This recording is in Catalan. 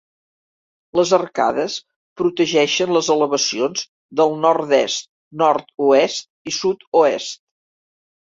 Les arcades protegeixen les elevacions del nord-est, nord-oest i sud-oest.